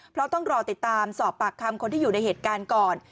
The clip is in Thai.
เพราะต้องรอติดตามสอบปากคำคนที่อยู่ในเหตุการณ์ก่อน